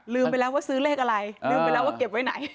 ไปแล้วว่าซื้อเลขอะไรลืมไปแล้วว่าเก็บไว้ไหน